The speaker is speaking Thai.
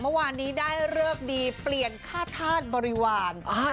เมื่อวานนี้ได้เลิกดีเปลี่ยนค่าธาตุบริวาร